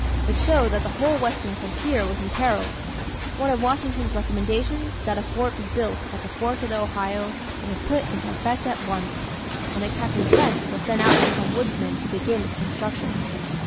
It showed that the whole western frontier was imperilled. One of Washington's recommendations, that a fort be built at the fork of the Ohio, was put into effect at once; and a Captain Trent was sent out with some woodsmen to begin its construction.